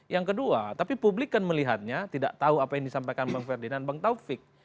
yang kedua tapi publik kan melihatnya tidak tahu apa yang disampaikan bang ferdinand bang taufik